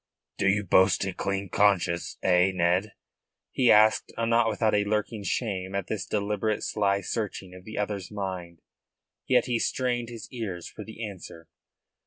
"Do you boast a clean conscience, eh, Ned?" he asked, not without a lurking shame at this deliberate sly searching of the other's mind. Yet he strained his ears for the answer.